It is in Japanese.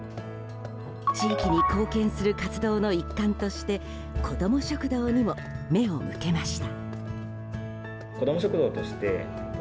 地域に貢献する活動の一環として子供拡大にも目を向けました。